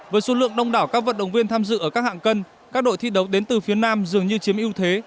với số lượng đông đảo các vận động viên tham dự ở các hạng cân các đội thi đấu đến từ phía nam dường như chiếm ưu thế